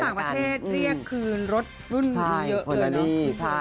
เพราะว่าต่างประเทศเรียกคืนรถรุ่นมือเยอะเยอะ